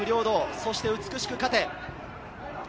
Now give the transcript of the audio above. そして「美しく勝て」。